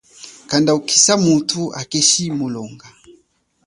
Kanda ukisa muthu hakeshi mulonga.